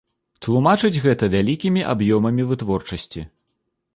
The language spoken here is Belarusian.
Тлумачыць гэта вялікімі аб'ёмамі вытворчасці.